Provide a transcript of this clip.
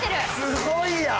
すごいやん！